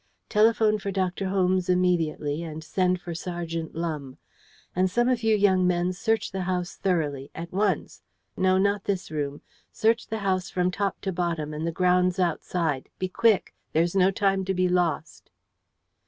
Telephone for Dr. Holmes immediately, and send for Sergeant Lumbe. And some of you young men search the house thoroughly at once. No, not this room. Search the house from top to bottom, and the grounds outside. Be quick! There is no time to be lost."